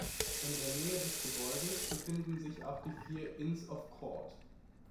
In der Nähe des Gebäudes befinden sich auch die vier Inns of Court.